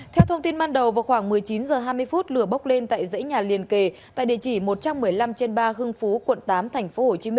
theo thông tin ban đầu vào khoảng một mươi chín h hai mươi phút lửa bốc lên tại dãy nhà liền kề tại địa chỉ một trăm một mươi năm trên ba hưng phú quận tám tp hcm